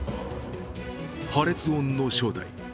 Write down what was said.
破裂音の正体。